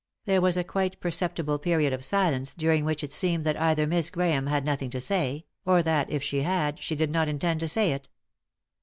There was a quite perceptible period of silence, during which it seemed that either Miss Grahame had nothing to say, or that, if she had, she did not intend to say it.